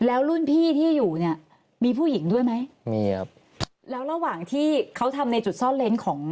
แล้วรุ่นพี่ที่อยู่เนี่ยมีผู้หญิงด้วยไหมมีครับแล้วระหว่างที่เขาทำในจุดซ่อนเล้นของ